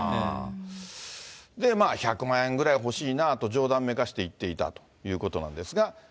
まあ１００万円ぐらい欲しいなあと冗談めかして言っていたということなんですが。